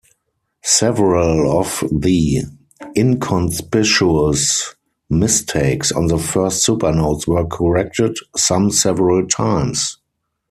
Several of the inconspicuous "mistakes" on the first supernotes were corrected, some several times.